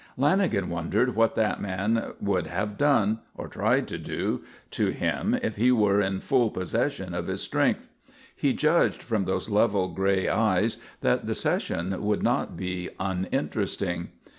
Lanagan wondered what that man would have done or tried to do to him if he were in full possession of his strength. He judged from those level grey eyes that the session would not be uninteresting.